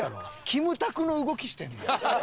キムタクの動きしてんねん。